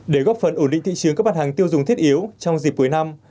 để góp phần ổn định thị trường các mặt hàng tiêu dùng thiết yếu trong dịp cuối năm